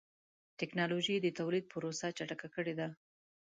ټکنالوجي د تولید پروسه چټکه کړې ده.